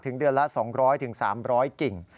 เดือนละ๒๐๐๓๐๐กิ่ง